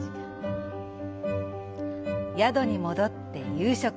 宿に戻って夕食。